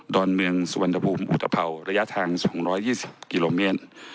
ดอนเมืองสวันดบุมอุทธเผ่าระยะทาง๒๒๐กิโลเมตร